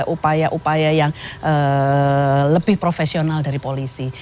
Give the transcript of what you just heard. upaya upaya yang lebih profesional dari polisi